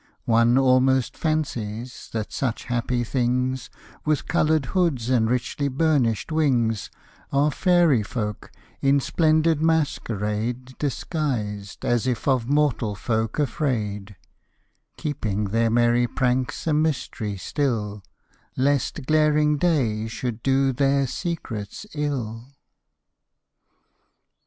One almost fancies that such happy things, With coloured hoods and richly burnished wings, Are fairy folk, in splendid masquerade Disguised, as if of mortal folk afraid, Keeping their merry pranks a mystery still, Lest glaring day should do their secrets ill.